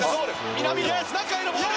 南野中へのボール。